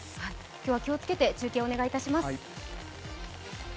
今日は気をつけて中継をお願いします。